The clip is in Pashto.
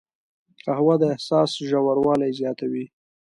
قهوه د احساس ژوروالی زیاتوي